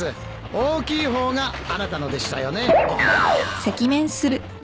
大きい方があなたのでしたよね。